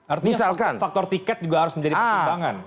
artinya faktor tiket juga harus menjadi pertimbangan